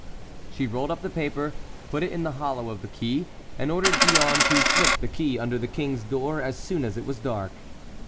She rolled up the paper, put it in the hollow of the key, and ordered Gillonne to slip the key under the king's door as soon as it was dark.